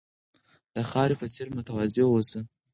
د خاورې په څېر متواضع اوسئ.